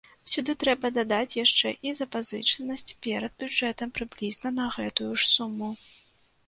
Сюды трэба дадаць яшчэ і запазычанасць перад бюджэтам прыблізна на гэтую ж суму.